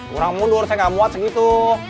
kurang mundur saya gak buat segitu